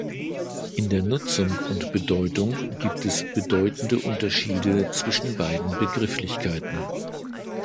In der Nutzung und Bedeutung gibt es bedeutende Unterschiede zwischen beiden Begrifflichkeiten.